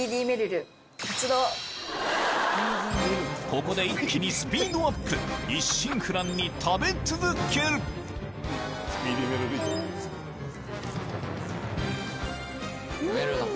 ここで一気にスピードアップ一心不乱に食べ続けるめるるさん。